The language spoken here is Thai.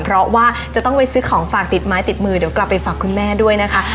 เพราะว่าจะต้องไปซื้อของฝากติดไม้ติดมือเดี๋ยวกลับไปฝากคุณแม่ด้วยนะคะ